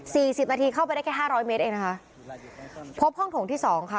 สิบนาทีเข้าไปได้แค่ห้าร้อยเมตรเองนะคะพบห้องโถงที่สองค่ะ